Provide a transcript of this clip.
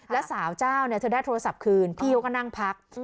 แล้วสาวเจ้าเนี่ยเธอได้โทรศัพท์คืนพี่เขาก็นั่งพัก